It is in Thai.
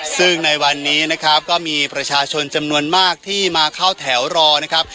ซึ่งในวันนี้นะครับก็มีประชาชนจำนวนมากที่มาเข้าแถวรอนะครับ